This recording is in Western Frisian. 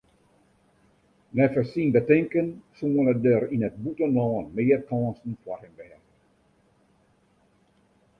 Neffens syn betinken soene der yn it bûtenlân mear kânsen foar him wêze.